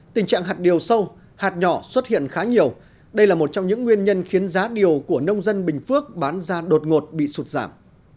tình trạng hạt điều sâu hạt nhỏ xuất hiện khá nhiều đây là một trong những nguyên nhân khiến giá điều của nông dân bình phước bán ra đột ngột bị sụt giảm